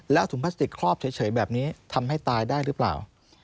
แล้วถุงพลาสติกครอบเฉยแบบนี้ทำให้ตายได้หรือเปล่า